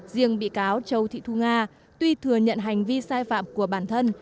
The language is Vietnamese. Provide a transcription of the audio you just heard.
riêng bị cáo châu thị thu nga tuy thừa nhận hành vi sai phạm của bản thân